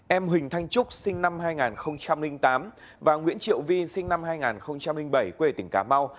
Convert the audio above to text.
em huỳnh thanh trúc sinh năm hai nghìn tám và nguyễn triệu vi sinh năm hai nghìn bảy quê tỉnh cà mau